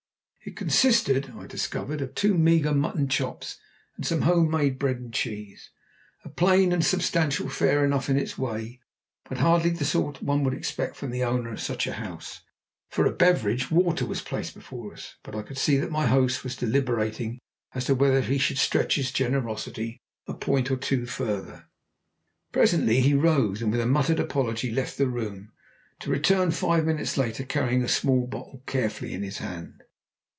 It consisted, I discovered, of two meagre mutton chops and some homemade bread and cheese, plain and substantial fare enough in its way, but hardly the sort one would expect from the owner of such a house. For a beverage, water was placed before us, but I could see that my host was deliberating as to whether he should stretch his generosity a point or two further. Presently he rose, and with a muttered apology left the room, to return five minutes later carrying a small bottle carefully in his hand.